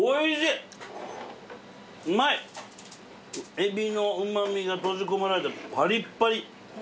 エビのうま味が閉じ込められてパリッパリ。